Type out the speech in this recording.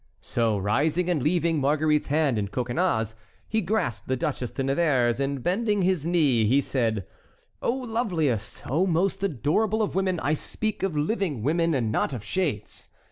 So rising and leaving Marguerite's hand in Coconnas's, he grasped the Duchesse de Nevers's, and bending his knee he said: "O loveliest—O most adorable of women—I speak of living women, and not of shades!"